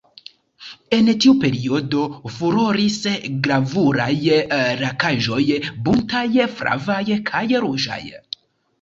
En tiu periodo furoris gravuraj lakaĵoj buntaj, flavaj kaj ruĝaj.